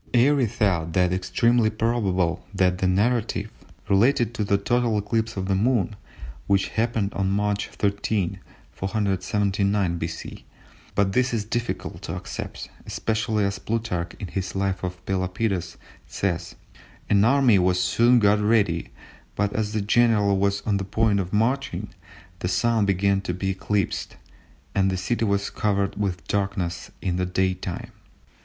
Airy thought it "extremely probable" that the narrative related to the total eclipse of the Moon, which happened on March 13, 479 B.C., but this is difficult to accept, especially as Plutarch, in his Life of Pelopidas, says—"An army was soon got ready, but as the general was on the point of marching, the Sun began to be eclipsed, and the city was covered with darkness in the daytime."